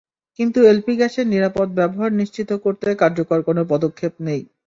কিন্তু এলপি গ্যাসের নিরাপদ ব্যবহার নিশ্চিত করতে কার্যকর কোনো পদক্ষেপ নেই।